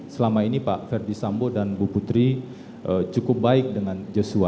selama ini pak ferdi sambo dan bu putri cukup baik dengan joshua